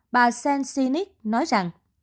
bà sainz sinic nói rằng